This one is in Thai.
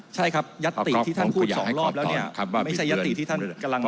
ใช่ครับยัตติที่ท่านพูดสองรอบแล้วเนี่ยไม่ใช่ยัตติที่ท่านกำลัง